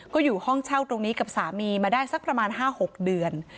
ก็อยู่ห้องเช่าตรงนี้กับสามีมาได้สักประมาณ๕๖เดือน